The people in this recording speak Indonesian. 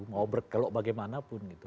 mau berkelok bagaimanapun gitu